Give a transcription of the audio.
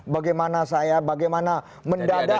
bagaimana saya bagaimana mendadak